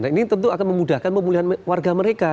nah ini tentu akan memudahkan pemulihan warga mereka